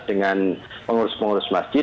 dengan pengurus pengurus masjid